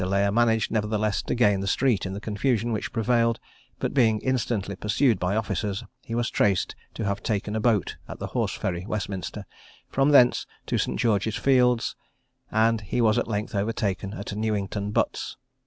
Layer managed, nevertheless, to gain the street in the confusion which prevailed; but being instantly pursued by officers, he was traced to have taken a boat at the Horse Ferry, Westminster, from thence to St. George's Fields; and he was at length overtaken at Newington Butts.